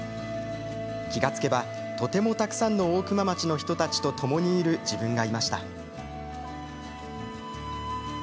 気が付けば、とてもたくさんの大熊町の人たちとともにいる自分がいました。